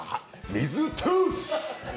水トゥース！